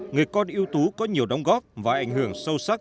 người con ưu tú có nhiều đóng góp và ảnh hưởng sâu sắc